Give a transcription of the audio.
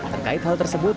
terkait hal tersebut